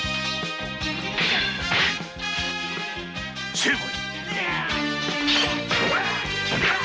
成敗！